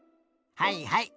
はいはい。